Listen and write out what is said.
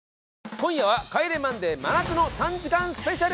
今夜は『帰れマンデー』真夏の３時間スペシャル！